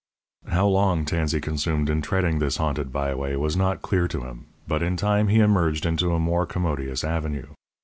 How long Tansey consumed in treading this haunted byway was not clear to him, but in time he emerged into a more commodious avenue.